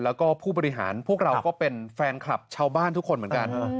แล้วก็ผู้บริหารพวกเราก็เป็นแฟนคลับชาวบ้านทุกคนเหมือนกัน